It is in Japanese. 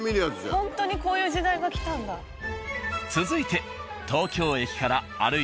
［続いて］